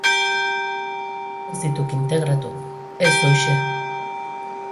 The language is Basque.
Ez dituk integratu, ez horixe.